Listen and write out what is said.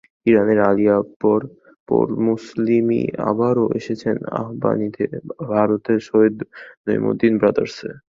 ইরানের Ali Akbar Pourmoslemi আবারও এসেছেন আবাহনীতে, ভারতের সৈয়দ নঈমুদ্দিন ব্রাদার্সে।